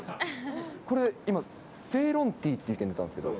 これ今、セイロンティーっていう意見が出たんですけど。